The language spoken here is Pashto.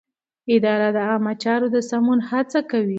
اداره د عامه چارو د سمون هڅه کوي.